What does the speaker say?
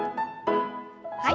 はい。